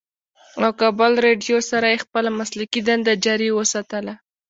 او کابل رېډيو سره ئې خپله مسلکي دنده جاري اوساتله